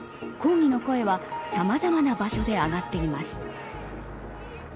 抗議の声は、さまざまな場所で上がっています。